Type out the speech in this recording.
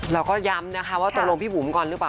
เราก็ย้ำนะคะว่าตกลงพี่บุ๋มก่อนหรือเปล่า